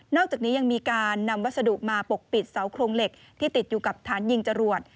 อกจากนี้ยังมีการนำวัสดุมาปกปิดเสาโครงเหล็กที่ติดอยู่กับฐานยิงจรวด